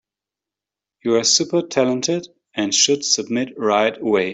You are super talented and should submit right away.